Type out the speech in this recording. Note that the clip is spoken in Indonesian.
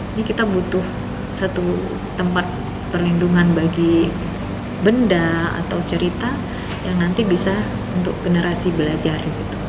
ini kita butuh satu tempat perlindungan bagi benda atau cerita yang nanti bisa untuk generasi belajar